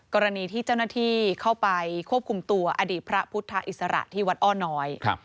กรณีที่เจ้าหน้าที่เข้าไปควบคุมตัวอดีตพระพุทธอิสระที่วัดอ้อน้อย